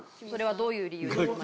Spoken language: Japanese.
それはどういう理由で。